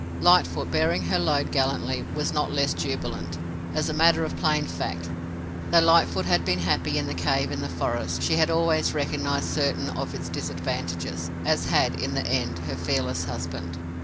Lightfoot, bearing her load gallantly, was not less jubilant. As a matter of plain fact, though Lightfoot had been happy in the cave in the forest, she had always recognized certain of its disadvantages, as had, in the end, her fearless husband.